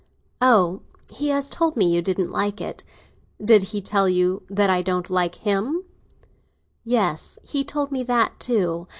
"Oh, he has told me you didn't like it." "Did he tell you that I don't like him?" "Yes, he told me that too.